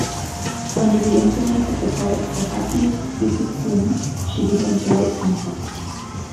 Under the influence of the poet Sasaki Yukitsuna, she began to write tanka.